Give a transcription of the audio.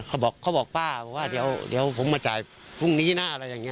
เขาบอกป้าว่าเดี๋ยวผมมาจ่ายพรุ่งนี้หน้าอะไรอย่างนี้